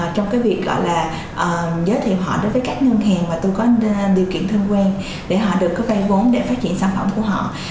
trong việc giới thiệu họ đối với các ngân hàng và tôi có điều kiện thân quen để họ được phây vốn để phát triển sản phẩm của họ